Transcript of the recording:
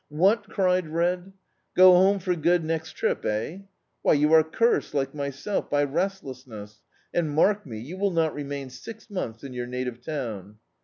"What," cried Red, "go home for good next trip, eh^ Why, yOu are cursed, like myself, by restless ness, and, mark me, you will not remain six months in your native town."